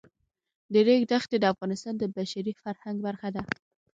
د ریګ دښتې د افغانستان د بشري فرهنګ برخه ده.